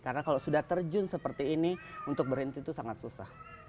karena kalau sudah terjun seperti ini untuk berhenti itu sangat susah